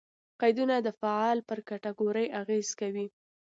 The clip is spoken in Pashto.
قیدونه د فعل پر کېټګوري اغېز کوي.